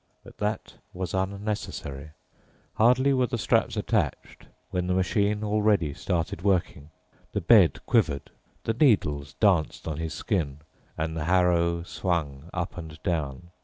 But that was unnecessary. Hardly were the straps attached when the machine already started working. The bed quivered, the needles danced on his skin, and the harrow swung up and down.